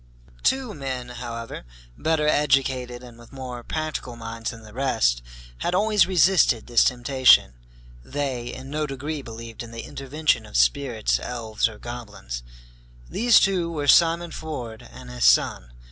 Two men, however, better educated and with more practical minds than the rest, had always resisted this temptation. They in no degree believed in the intervention of spirits, elves, or goblins. These two were Simon Ford and his son.